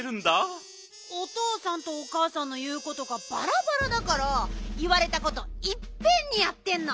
おとうさんとおかあさんのいうことがバラバラだからいわれたこといっぺんにやってんの。